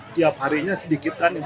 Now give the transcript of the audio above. tiap harinya sedikit kan